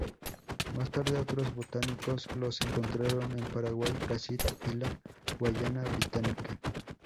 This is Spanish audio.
Más tarde, otros botánicos los encontraron en Paraguay, Brasil y la Guayana británica.